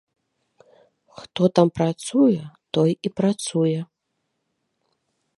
Хто там працуе, той і працуе.